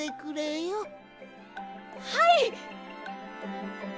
はい！